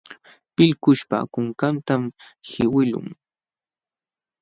Pillkuśhpa kunkantam qiwiqlun.